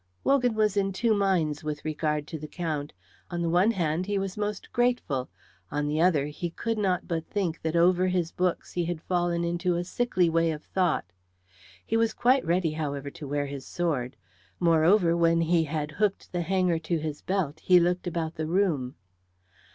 Wogan was in two minds with regard to the Count. On the one hand, he was most grateful; on the other he could not but think that over his books he had fallen into a sickly way of thought. He was quite ready, however, to wear his sword; moreover, when he had hooked the hanger to his belt he looked about the room.